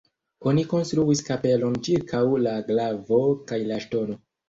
Oni konstruis kapelon ĉirkaŭ la glavo kaj la ŝtono.